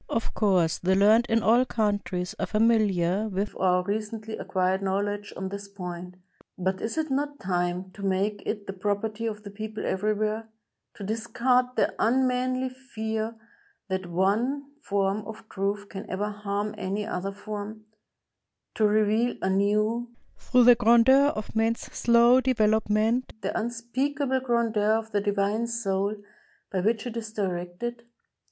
Of course, the learned in all countries are familiar with our recently acquired knowledge on this point; but is it not time to make it the property of the people everywhere — to dis card the unmanly fear that one form of truth can ever harm any other form — to reveal anew, through the grandeur of Man's slow development, the unspeakable grandeur of the Divine Soul by which it is directed?